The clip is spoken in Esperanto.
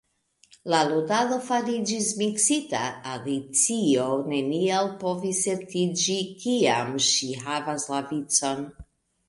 La ludado fariĝis miksita, Alicio neniel povis certiĝi kiam ŝi havas la vicon.